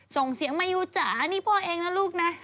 ส่งเสียงมายูจ๋านี่พ่อเองนะลูกนะ